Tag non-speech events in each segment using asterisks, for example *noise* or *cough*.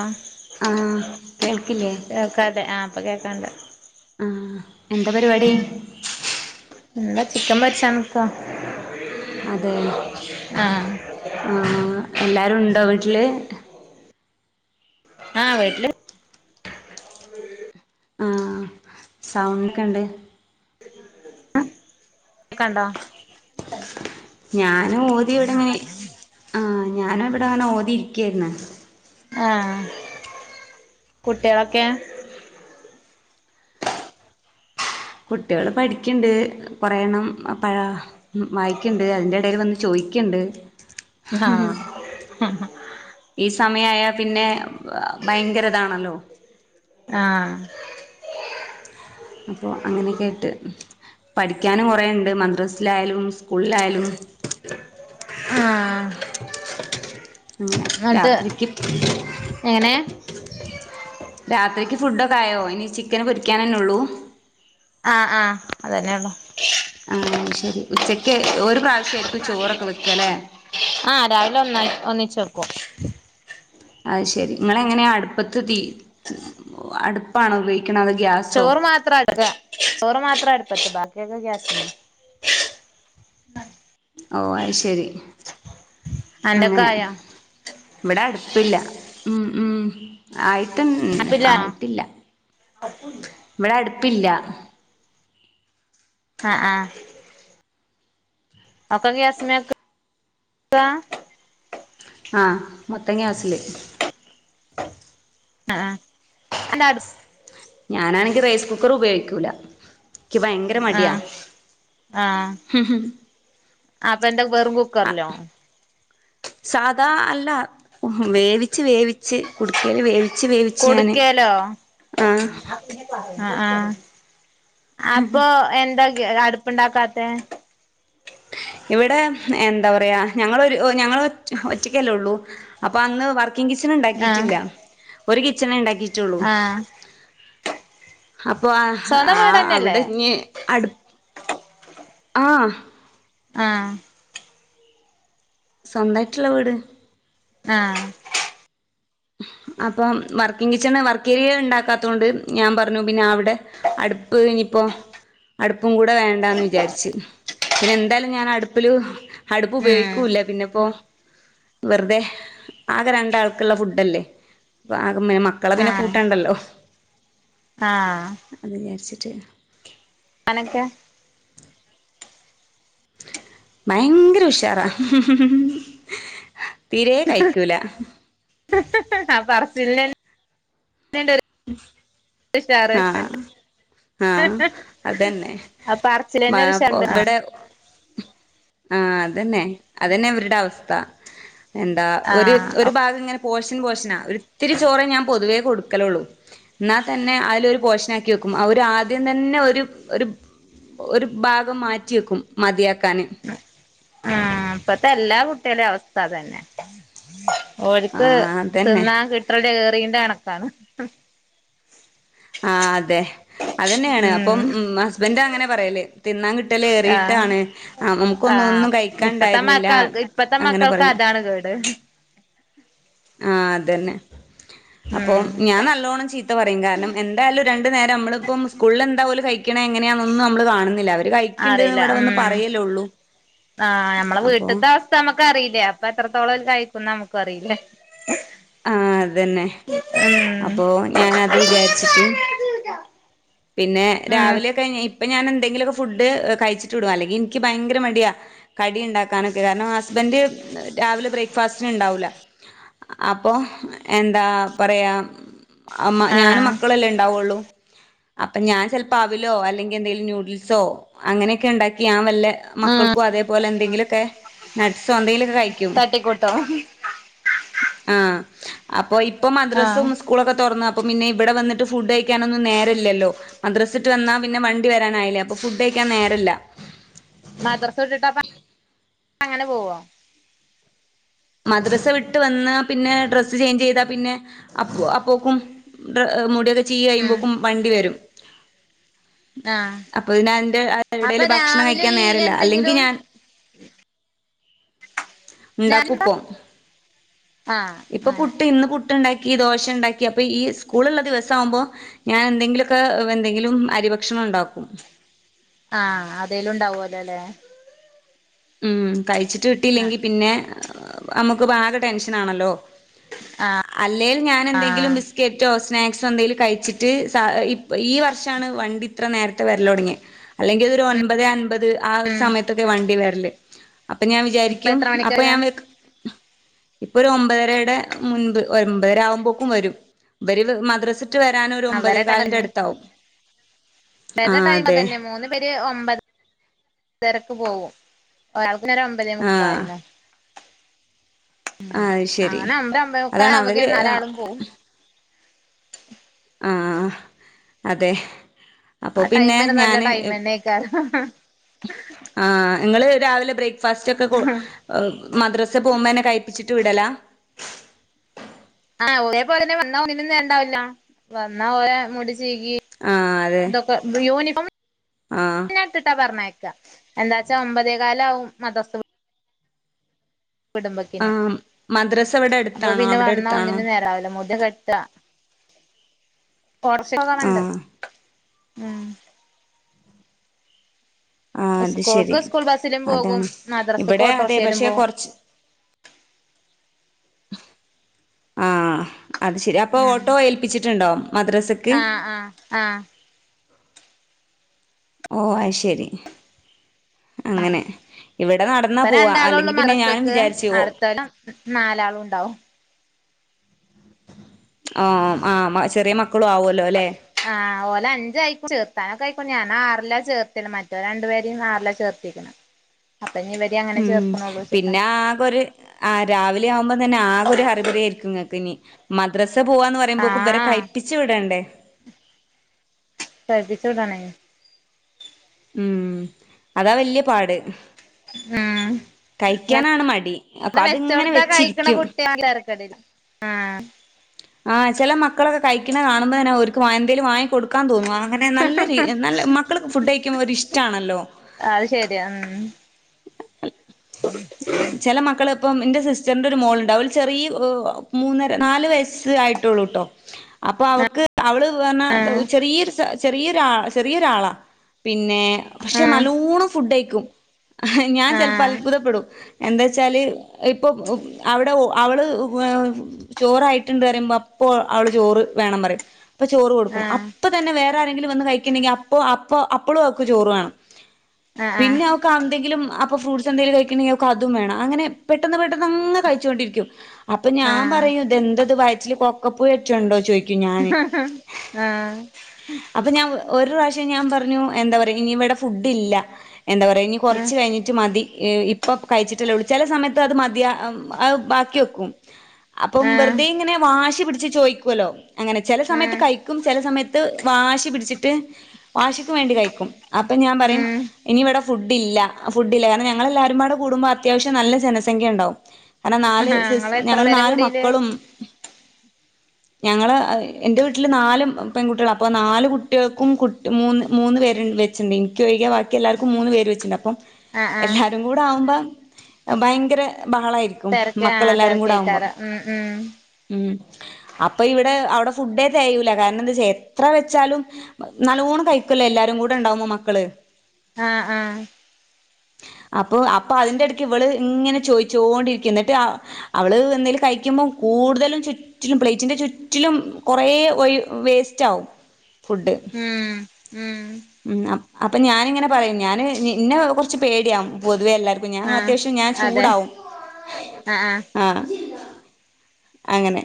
ആഹ് ആ കേൾക്കില്ലേ അപ്പ കേക്കാണ്ട് ആഹ എന്താ പരിപാടി എന്താ ചിക്കൻ പരിശ നക്കാ അതെ ആ എല്ലാരുംണ്ട് എന്ത വീട്ടില് ആഹ വീട്ടില് ആഹ സൗണ്ട്ക്ക ഉണ്ട് കണ്ടോ ഞാനും ഓതി ഇവിടെങ്ങനെ ആഹ ഞാനും ഇവിടെ അങ്ങനെ ഓതി ഇരിക്കായിുന്ന ആഹ കുട്ടികളൊക്കെ കുട്ടികള് പഠിക്കണ്ട് കൊറെ എണ്ണം പഴ വായിക്കണ്ട് അതിന്റെറെ ഇടയിൽ വന്ന് ചോയിക്കണ്ട് ആഹ് ഈ സമയയാ പിന്നെ ഭയങ്കരതാണല്ലോ ആഹ് അപ്പൊ അങ്ങനെയൊക്കൊയിട്ട് പഠിക്കാനും കൊറേുണ്ട് മദ്രസിലായാലും സ്കൂളിലായാലും ആഹ് അങ്ങനെ എന്നിട്ട് രാത്രിക്ക് എങ്ങനെ *unintelligible* രാത്രിക്ക് ഫുഡൊക്കായോ ഇനി ചിക്കന് പൊരിക്കാൻന്നെ ഉള്ളൂ ആഹ് ആഹ് അതന്നെ ഉള്ളു ആഹ് ശരി ഉച്ചക്ക് ഒരു പ്രാവശ്യായിരിക്കും ചോറൊക്കെ വെക്ക അല്ലെ ആഹ് രാവിലെ ഒന്നായി ഒന്നിച് വക്കും അ ശെരി നിങ്ങള എങ്ങനെയാ അടുപ്പത്ത് തീ അടുപ്പാണ ഉപയോ ചോറ് മാത്ര എടുക്ക ചോറ് മാത്ര എടു പ്പത് ബാക്കിയൊക്കെ ഗ്യസിന് ഓ അത് ശെരി എന്തൊക്കായൊ ഇവിടെ അടുപ്പില്ല ഉം ഉം ആയി അടുപ്പില്ല ആയിട്ടില്ല ഇവിടെ അടു ടുപ്പില്ല ആഹ് ആഹ് ഒക്കെ ഗ്യാസിന് വെക്കു *unintelligible* ആഹ് മൊത്തം ഗ്യാസില് ആഹ് ആ അല്ല അടു ഞാനാണെങ്കി റൈസ് കുക്കർ ഉപയോഗിക്കൂല എനിക്ക് ഭയങ്കര മടിയാ ആഹ് ആഹ് അപ്പൊ എന്ത വെറും കുക്കറല്ലോ സാദാ അല്ല വേവി ച് വേവിച്ച് കുടിക്കല് വേവിച്ച് വേവിച്ചു ഞാന് കൊടുക്കേലോ ആ ആഹ് ആഹ് അപ്പൊ എന്തൊ *unintelligible* അടുപ്പുണ്ടാക്കാത്തെ ഇവിടെ എന്താ പറയാ ഞങ്ങള് ഒരു ഞങ്ങൾ ഒ ഒറ്റക്കല്ലേ ഉള്ളൂ അപ്പോ അന്ന് വർ ക്ക് കിച്ചൻ ആ ഉണ്ടാക്കിയിട്ടില്ല ഒരു കി കിച്ചണെ ഉണ്ട ക്കി ട്ടോളൂ. ആ അപ്പൊ ആ സ്വന്തം ആ വീടന്നെല്ലേ അവിടെ ഇനി അടു ആ ആ സ്വന്തായിട്ടുള്ള വീട് ആ അപ്പം വർക്കിങ് കിച്ചണ് വർക്ക് ഏരിയ ഇണ്ടാക്കാത്തോണ്ട് ഞാൻ പറഞ്ഞു പിന്നെ അവിടെ അടുപ്പ് ഇനിപ്പോ അടുപ്പും കൂടെ വേണ്ടാന്ന് വിചാരിച്ച് പിന്നെ എന്തായാലും ഞാൻ അടുപ്പില് അടുപ്പ് ഉം ഉപയോഗിക്കൂല്ല പിന്നെപ്പോ വെറുതെ ആകെ രണ്ടാൾക്ക്ള്ള ഫുഡ് ഡല്ലേ അപ്പോ അ മെ മക്കളെ ആ പിന്നെ കൂട്ടണ്ടല്ലോ ആ അത് വിചാരിച്ചിട്ട് അനക്കെ ഭയങ്കര ഉഷാറാ, തീരേ കഴിക്കൂല. ആ പറച്ചിൽനെ ആ ആ അതന്നെ ആ പറച്ചിലന്നെ മഴ ഒരു പൊ ഉഷാറുണ്ട് ആ ഇവിടെ ആ അതെന്നെ, അതന്നെ ഇവര്ടെ അവസ്ഥ. എന്താ ആ ഒരു ഒരു ഭാഗം ഇങ്ങനെ പോഷൻ പോഷനാ ഒരിത്തിരി ചോറേ ഞാൻ പൊതുവേ കൊടുക്കലൊള്ളൂ ഇന്നാ തന്നെ അയിലൊരു പോഷനാക്കി വെക്കും അവര് ആദ്യം തന്നെ ഒര് ഒര് ഒരു ഭാഗം മാറ്റി വെക്കും മതിയാക് കന് ആ ഇപ്പത്തെ എല്ലാ കുട്ടികളേം അവസ്ഥ അതന്നെ. ഓര്ക്ക് ആഹ് അതന്നെ തിന്നാൻ കിട്ടലേറീന്റെ കണ *unintelligible* ആ അതെ. അതന്നേണ് അപ്പം ഉം ഹസ്ബൻഡ് അങ്ങനെ പറയല് തിന്നാൻ കിട്ടല് ആ ഏറിയിട്ടാണ് ആ അമുക്കൊന്നും ആഹ് ഒന്നും കഴിക്കാൻ ഇപ്പത്തെ ഇണ്ടായിര്ന്നില്ലാ. മക്കൾക്ക് ഇപ്പത്തെ അങ്ങനെ മക്കൾക്ക് പറയും. അതാണ് കേട് ആ അതന്നെ. അപ്പോം ഉം ഞാൻ നല്ലോണം ചീത്ത പറയും കാരണം എന്തായാലും രണ്ടു നേരം അമ്മളിപ്പം സ്കൂൾല് എന്താ ഓല് കഴി ക്ക്ണെങ്ങനെയാന്നൊന്നും നമ്മള് കാണുന്നില്ല അവർ അറിയില്ല ഉം ആ ഞമ്മളെ അപ്പൊ വീട്ട്ത്തെ അവസ്ഥ ഞമ്മക്ക് അറി അല്ലെ അപ്പൊ എത്രത്തോളം ഓല് കഴിക്കുന്ന് നമ്മക്ക് അറിയില്ലേ ആഹ് അതന്നെ ഉം അപ്പൊ ഞാനത് വിചാരിച്ചിട്ട് പിന്നെ ഉം രാവിലെ കഴിഞ്ഞാ ഇപ് ഇപ്പൊ ഞാൻ എന്തെങ്കിലുമൊക്കെ ഫുഡ് കഴിച്ചിട്ട് വിടുവാ അല്ലങ്കിൽ എനിക്ക് ഭയങ്കര മടിയാ കടി ഇണ്ടാക്കാനൊക്കെ കാരണം ഹസ് ഹസ്ബൻഡ് രാവിലെ ബ്രേക്ക്ഫാസ്റ്റിന് ഇണ്ടാവൂല്ല അപ്പോ എന്താ പറയാ അമ്മ ഞാനും ആഹ് മക്കളുവല്ലേ ഉണ്ടാവുള്ളു അപ്പൊ ഞാൻ ചെലപ്പോ അവിലോ അല്ലെങ്കിൽ എന്തെലും നൂഡിൽസോ അങ്ങനെയൊക്കെ ഉണ്ടാക്കി ഞാൻ വല്ല ഉം മക്കൾക്കും അതേപോലെ എന്തെങ്കിലുമൊക്കെ നട്ട്സോ എന്തെങ്കിലുമൊക്കെ കഴിക്കും തട്ടിക്കൂട്ടോ ആ അപ്പൊ ഇ ഇപ്പ മദ്രസ്സും ആഹ് ഉസ്കൂളൊക്കെ തൊറന്നാപ്പ് അപ്പൊ പിന്നെ ഇവിടെ വന്നിട്ട് ഫുഡ് കഴിക്കാനൊന്നും നേരല്ലല്ലോ മദ്രസ്സട്ട് വന്നാ പിന്നെ വണ്ടി വരാനായില്ലേ അപ്പൊ ഫുഡ് കഴിക്കാൻ നേരല്ലാ മദ്രസ വിട്ടിട്ട് അപ്പ അങ്ങനെ പോവോ? മദ്രസ്സാ വിട്ട് വന്നാ പിന്നെ ഡ്രസ്സ് ചേഞ്ച് ചെയ്താ പിന്നെ അ അപ്പ് അപ്പക്കും മുടിയൊക്കെ ചീകി ഉം കഴിയുമ്പത്തേക്കും വണ്ടി വരും. ആഹ് അപ്പൊ ഇതി അപ്പൊ ഇതിൻ്റെടെല് ഭക്ഷണം രാവിലെ കഴിക്കാൻ ഈ നേരല്ലാ അല്ലെങ്കി എന്തെങ്കിലും ഞാൻ ഉണ്ടാക്കൂ രാവിലെ ഇപ്പം ആഹ് ഇപ്പൊ അങ്ങനെ കുട്ടി ഇന്ന് കു പുട്ട് ഉണ്ടാക്കി ദോശ ഉണ്ടാക്കി അപ്പൊ ഈ സ്കൂളൊള്ള ദിവസം ആവുമ്പോ ഞാൻ എന്തെങ്കിലുമൊക്കെ എന്തെങ്കിലും അരിഭക്ഷണം ഉണ്ടാക്കും ആ അതേലും ഉണ്ടാവല്ലോ അല്ലേ ഉം കഴിച്ചിട്ട് കിട്ടിയില്ലെങ്കി പിന്നെ നമു നമുക്ക് ആകെ ടെൻഷൻ ആണല്ലോ ആഹ് അല്ലേൽ ഞാൻ എന്തെങ്കിലും ആഹ് ബിസ്ക്കറ്റോ സ്നാക്സ് എന്തെിലും കഴിച്ചിട്ട് ഇ ഈ വർഷമാണ് വണ്ടി ഇത്ര നേരത്തെ വരല് തുടങ്ങിയേ അല്ലെങ്കിൽ ഒരു ഒൻപത് അൻപത് ആ ഒരു ഉം സമയത്തൊക്കെ വണ്ടി വര *inaudible* അപ്പൊ ഞാൻ ഇപ്പ വിചാരിക്കും എത്ര അപ്പൊ മണിക്കരാ ഞാൻ ഇപ്പൊ ഒരു ഒമ്പതരടെ മുൻപ് ഒമ്പതര ആവുമ്പോഴെക്കും വരും ഇവര് മദ്രസ കഴിഞ്ഞിട്ട് വരാന് ഒരു ഒമ്പതേ അവരെ ടൈം കാലിന്റെ തന്നെ അടുത്താവും ആ ഇവരുടെ ടൈം അതെ തിരക്ക് പോകും ഒരാൾ പിന്നൊരു ഒമ്പതേ ആ മുക്കാലിനു ആ ശരി അങ്ങനെ അങ്ങനെ ഒമ്പത് ഒൻപതേ അതാണ് അവര് മുക്കാലാകുമ്പഴേക്കും നാലാളും പോവും *inaudible* ആ അതെ അപ്പൊ ആ ടൈം പിന്നെ വരെ നല്ല ഞാന് ടൈം തന്നെക്ക ഞങ്ങള് രാവിലെ ബ്രേക്ക് ഫാസ്റ്റോക്കെ മദ്രസെ പോകുമ്പോന്നെ കഴപ്പിച്ചിട്ട് വിടലാ ഒരേ പോലെ തന്നെ വന്നാ *unintelligible* വന്നാ മുടി ചീകി, ആഹ് അതെ ഇതൊക്കെ യൂണിഫോം *unintelligible* ആഹ് ത്തിട്ടാ പറഞ്ഞേ എന്താച്ചാ ഒമ്പതേ കാലാവും മദ്രസ കുടുംബത്തിന് ആഹ് മദ്രസ ഇവിടെ അപ്പൊ അടുത്താണോ പിന്നെ അവിടെ വന്നാ അടുത്താണോ ഒന്നിനും നേരാവില്ല മുടി കെട്ടാ കൊറച്ചകലണ്ട് ആഹ് ഉം ആ അത് ശരി സ്കൂൾക്ക് സ്കൂൾ ബസ്സിലും പോകും അതാണ് മദ്രസക്ക് ഇവിടെ അതെ ഓട്ടോറിക്ഷയിലും പക്ഷെ പോകും കുറച്ച് ആ അത് ശരി അപ്പോ ഉം ഓട്ടോ ഏൽപ്പിച്ചിട്ടുണ്ടോ മദ്രസക്ക്? ആഹ് ആഹ് ആഹ് ഓ അത് ശരി ആഹ് അങ്ങനെ ഇവിടെ നടന്നാ ഇപ്പ പോവാ രണ്ടാളൊള്ളൂ അല്ലെങ്കി പിന്നെ ഞാനും മദ്രസക്ക് വിചാരിച്ചു ഓ അടുത്തോലം നാലാളും ഉണ്ടാവും ആ ആ ചെറിയ മ ആ ഓല് അഞ്ച് ആയി *unintelligible* അപ്പ ഞാൻ ആറിലാ ചേർത്തിണ് മറ്റൊ രണ്ട് പേരെയും ആറില ചേർത്തിക്ക്ണെ. ഉം, പിന്നെ ആകെ ഒര് ആഹ് രാവിലെ ആവുമ്പ തന്നെ ആകെ ഒരു ഹറി ബറിയായിരിക്കും ഇങ്ങക്ക് ഇന്നി മദ്രസ പോവാന്ന് പറയുമ്പോക്കും ഇവരെ ആഹ് കഴിപ്പിച്ച് വിടണ്ടേ ഇടെണെ ഉം അതാ വല്ല്യ പാട് ഉം കഴിക്കാനാണ് മടി അതിങ്ങനെ വെച്ചോട്ത്താ കഴിക്ക്ണ വെച്ചിരിക്കും കുട്ട്യേളാണെങ്കി തരക്കെടില്ല ആഹ് ആഹ് ചെല മക്കളൊക്കെ കഴിക്ക്ണ കാണുമ്പ തന്നെ അവർക്ക് എന്തേലും വാങ്ങി കൊടുക്കാൻ തോന്നും അങ്ങനെ നല്ല രീ നല്ല മക്കൾ ഫുഡ് കഴിക്കുമ്പ ഒരു ഇഷ്ട്ടാണല്ലോ അത് ശരിയാ ഉം ചെല മക്കള് ഇപ്പം എന്റെ സിസ്റ്ററിന്റെ ഒരു മോള്ണ്ട് അവൾ ചെറിയ മൂന്നര നാല് വയസ്സ് സ് ആയിട്ടൊള്ളൂട്ടോ. അപ്പൊ അവക്ക് അവള് പറഞ്ഞാ ആഹ് ചെറിയൊരു ചെറിയൊരു *unintelligible* ചെറിയൊരാളാ പി ന്നെ പക്ഷെ ആഹ് നല്ലോണം ഫുഡയി ക്കും. ഞാൻ ചെലപ്പോ ആഹ് അത്ഭുതപ്പെടും. എന്താ വെച്ചാല് ഇപ്പം അവിടെ അവള് ചോറായി ട്ട്ണ്ട് പറയുമ്പോ അപ്പോ അവള് ചോറ് വേണം പറയും. അപ്പൊ ചോറ് കൊടുക്കും ആഹ് അപ്പൊ തന്നെ വേ റാരെങ്കിലും വന്ന് കഴിക്ക്ണ്ടെങ്കി അപ്പോ അപ്പോ അപ്പളും അവക്ക് ചോറ് വേണം. ആഹ് പിന്നെ അവക്കെന്തെങ്കിലും അപ്പോ ഫ്രൂട്സ് എന്തെലും കഴിക്ണ്ടെങ്കി അവക്കതും വേണം. അങ്ങനെ പെട്ടന്ന് പെട്ടെന്ന് അങ്ങ് കഴിച്ചൊണ്ടിരിക്കും അപ്പം ഞാൻ ആഹ് പറയും ഇത് എന്ത ത് വയറ്റില് കൊക്കോപുഴറ്റൊണ്ടോ ചോയിക്കും. ആഹ് ഒര് റാശ്യം ഞാൻ പറഞ്ഞു എന്താ പറയാ ഇനി ഇവിടെ ഫുഡ് ഇല്ല എന്താ പറയാ ഇനി കൊറച്ച് കഴിഞ്ഞിട്ട് മതി ഇപ്പൊ കഴിച്ചിട്ടല്ലേ ഉള്ളൂ. ചില സമയത്ത് അത് മതിയാ അത് ബാക്കി വെക്കും. അപ്പം ആഹ് വെറുതെ ഇങ്ങനെ വാശി പിടിച്ച് ചോയിക്കൊല്ലോ അങ്ങനെ ചെല സമയത്ത് കഴിക്കും ചെല സമയത്ത് വാശി പിടിച്ചിട്ട് വാശിക്ക് വേണ്ടി കഴിക്കും. അപ്പം ഞാൻ പറിം ഇനി ഇവടെ ഫുഡ് ഇല്ല ഫുഡ് ഇല്ല കാരണം ഞങ്ങളെ ല്ലാവാരുംപാട് കൂടുമ്പോ അത്യാവശ്യം നല്ല ജനസംഖ്യ ണ്ടാവും. കാരണം നാല് സിസ് എത്ര ഞങ്ങള് പേരെ നാല് കുടീല് മക്കളും ഞങ്ങള് എന്റെ വീട്ടില് നാലും പെൺകുട്ടികളാ അപ്പൊ നാല് കുട്ടികൾക്കും കുട്ടി മൂന്ന് മൂന്ന് പേര് വെച്ചുണ്ട് എനിക്ക് ഒഴികെ ബാക്കി എല്ലാർക്കും മൂന്ന് പേര് വെച്ചുണ്ട് അപ്പോ ആഹ് ആഹ് എല്ലാരും കൂടെ ആവുമ്പോ ഭയങ്കര ബഹളായിരിക്കും തെരക്ക് ആഹ് മക്കളെല്ലാരും കൂടെ ആകുമ്പം തെരക്കേക്കാരം ഉം ഉം ഉം അപ്പൊ ഇവിടെ അവിടെ ഫുഡേ തെകയൂല കാരണം എന്താ വച്ചാ എത്ര വെച്ചാലും നല്ലവോണം കഴിക്കൂലെ എല്ലാരും കൂടെ ഉണ്ടാവുമ്പോ മക്കള് ആഹ് ആഹ് അപ്പൊ അപ്പം അതിന്റെ എടെക്ക് ഇവള് ഇങ്ങനെ ചോയിച്ചോണ്ടിരിക്കും എന്നിട്ട് അവള് എന്തേലും കഴിക്കുമ്പോം കൂടുതലും ചുറ്റിലും പ്ലേറ്റിന്റെ ചുറ്റിലും കൊറേ ഒയി വേസ്റ്റ് ആകും ഫുഡ് ഉം ഉം അപ്പം ഞാനിങ്ങനെ പറയും ഞാന് ന്നെ കുറച്ച് പേടിയാ പൊതുവെ എല്ലാവർക്കും ഞാൻ ആഹ് അത്യാവശ്യം ഞാൻ അതെ ചൂടാവും ആഹ് അങ്ങനെ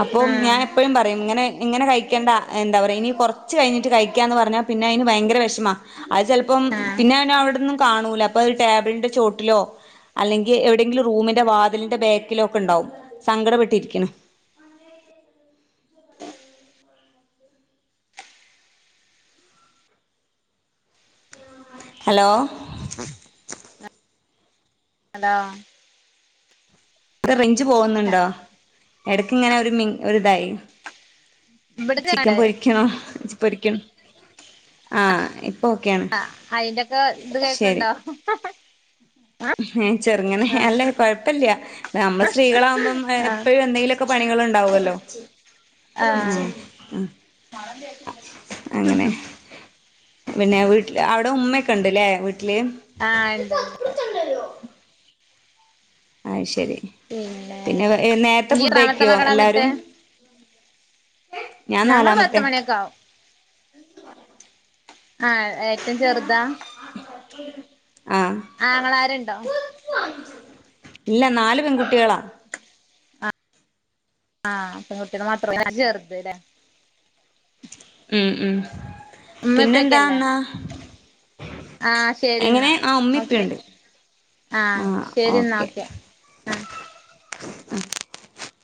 അപ്പം ഉം ഞാൻ എപ്പോഴും പറയും ഇങ്ങനെ ഇങ്ങനെ കഴിക്കേണ്ട എന്താ പറയാ ഇനി കുറച്ച് കഴിഞ്ഞിട്ട് കഴിക്കാ എന്ന് പറഞ്ഞാ പിന്നെ അതിന് ഭയങ്കര വിഷമാ അത് ചെലപ്പം ആഹ് പിന്നെ അവനവിടെന്ന് കാണുല്ല അപ്പൊ ടേബിളിന്റെ ചോട്ടിലോ അല്ലെങ്കിൽ എവിടെയെങ്കിലും റൂമിന്റെ വാതിലിന്റെ ബാക്കിലോ ഒക്കെ ഉണ്ടാവും സങ്കടപട്ടിരിക്കണം ഹലോ ഹലോ റിങ് ഞ്ച് പോന്നുണ്ടോ എടക്ക് ഇങ്ങനെ ഒരു മി ഒരിതായി ചിക്കൻ ഇവിടത്തെണ്ട് പൊരിക്കണോ പൊരിക്കണം ആഹ് ഇപ്പൊ ഓക്കെയാണ് ആ അയിന്റെക്കെ ഇത് കേക്കണ്ടോ ഉ ഏ ചെറുങ്ങനെ അല്ല കൊഴപ്പില്ല നമ്മ സ്ത്രീകളാാവുമ്പം ആഹ് എപ്പഴും എന്തെങ്കിലുമൊക്കെ പണികളുണ്ടാവല്ലോ ആ ആഹ് അങ്ങനെ പിന്നെ വീട്ടില് അവിടെ ഉമ്മയൊക്കെ ഉണ്ട്ല്ലേ വീട്ടില് ആ ഇണ്ട്ണ്ട് ആയ്ശരി പിന്നെ നേരത്തെ ഇയ്യ് എത്രാമത്തെ ഫുഡ്കയ്ക്കോ മകളാന്നിട്ട് എല്ലാരും ഞാൻ ഞങ്ങള് പത്ത് നാലാമത്തെ മണിയൊക്കെ ആവും ആ ആങ്ങളാരുണ്ടോ ഇല്ല നാല് പെൺകു കുട്ടികളാ ആഹ് പെൺകുട്ടിയമാത്രലെ ചെറുത് ലെ ഉം ഉം ഉമ്മ ഇപ്പൊക്കെല്ലേ പിന്നെന്താന്നാ ആഹ് ശരി എങ്ങനെ എന്നാ ആ ഉമ്മേ ഓക്കെ ഉപ്പേണ്ട് ആഹ് ഓക്കെ ആഹ് ഉം